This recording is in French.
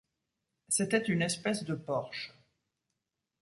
C’était une espèce de porche.